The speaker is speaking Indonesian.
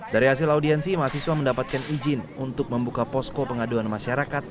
dari hasil audiensi mahasiswa mendapatkan izin untuk membuka posko pengaduan masyarakat